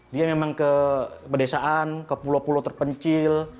dia memang ke pedesaan ke pulau pulau terpencil